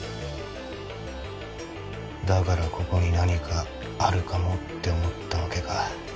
だからここに何かあるかもって思った訳か。